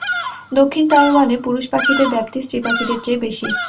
দক্ষিণ তাইওয়ানে, পুরুষ পাখিদের ব্যাপ্তি স্ত্রী পাখিদের চেয়ে বেশি।